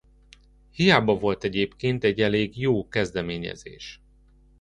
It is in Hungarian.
Hiába volt egyébként egy elég jó kezdeményezés.